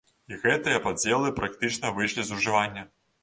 І гэтыя падзелы практычна выйшлі з ужывання.